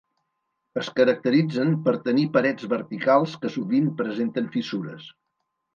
Es caracteritzen per tenir parets verticals que sovint presenten fissures.